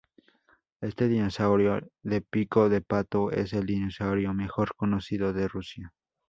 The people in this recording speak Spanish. Este dinosaurio de pico de pato es el dinosaurio mejor conocido de Rusia.